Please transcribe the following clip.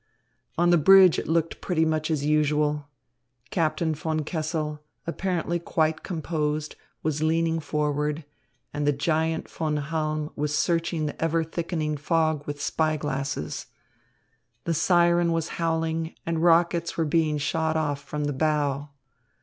On the bridge it looked pretty much as usual. Captain von Kessel, apparently quite composed, was leaning forward, and the giant Von Halm was searching the ever thickening fog with spy glasses. The siren was howling, and rockets were being shot off from the bow.